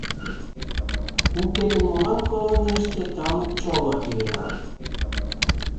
Уке гын молан колонийыште талук чоло иленат?